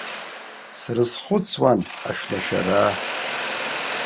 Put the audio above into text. Срызхәыцуан ашәлашараа.